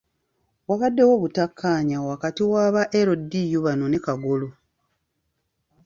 Wabaddewo obutakkanya wakati waba LDU bano ne Kagolo.